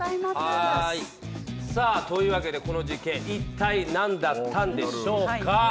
というわけで、この実験一体なんだったんでしょうか。